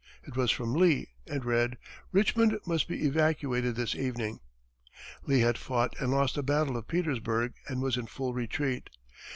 It was from Lee, and read, "Richmond must be evacuated this evening," Lee had fought and lost the battle of Petersburg, and was in full retreat.